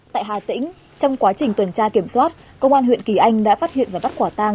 tại hà tĩnh trong quá trình tuần tra kiểm soát công an huyện kỳ anh đã phát hiện và bắt quả tang